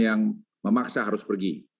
yang memaksa harus pergi